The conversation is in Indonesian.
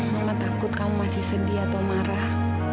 mama takut kamu masih sedih atau marah